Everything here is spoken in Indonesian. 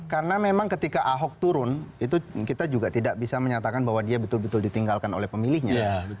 karena memang ketika ahok turun kita juga tidak bisa menyatakan bahwa dia betul betul ditinggalkan oleh pemilihnya